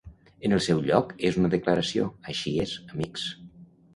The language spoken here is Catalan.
En el seu lloc és una declaració; així és, amics.